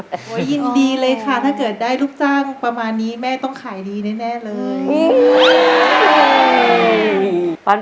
โอ้โหยินดีเลยค่ะถ้าเกิดได้ลูกจ้างประมาณนี้แม่ต้องขายดีแน่เลย